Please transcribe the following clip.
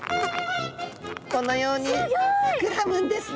このように膨らむんですね。